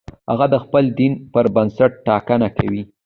هغه د خپل دین پر بنسټ ټاکنه کوي.